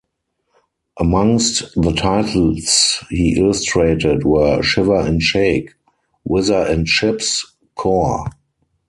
Amongst the titles he illustrated were "Shiver and Shake", "Whizzer and Chips", "Cor!!